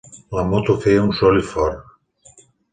La moto feia un soroll fort.